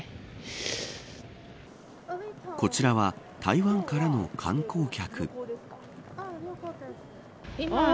こちらは、台湾からの観光客。